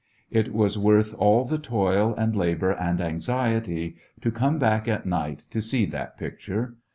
It was worth all the toil and labor and anxiety to come back at night to see that picture.